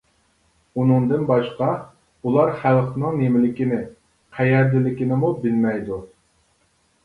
ئۇنىڭدىن باشقا ئۇلار خەلقنىڭ نېمىلىكىنى، قەيەردىلىكىنىمۇ بىلمەيدۇ.